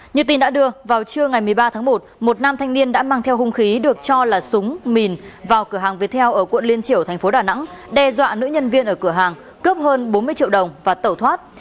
như tin đã đưa vào trưa ngày một mươi ba tháng một một nam thanh niên đã mang theo hung khí được cho là súng mìn vào cửa hàng viettel ở quận liên triểu thành phố đà nẵng đe dọa nữ nhân viên ở cửa hàng cướp hơn bốn mươi triệu đồng và tẩu thoát